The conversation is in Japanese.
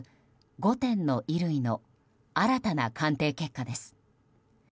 ５点の衣類の新たな鑑定結果です。